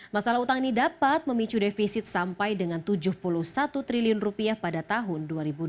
masalah utang ini dapat memicu defisit sampai dengan tujuh puluh satu triliun rupiah pada tahun dua ribu dua puluh